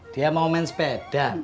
dia mau main sepeda